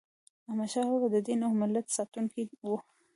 احمدشاه بابا د دین او ملت ساتونکی و.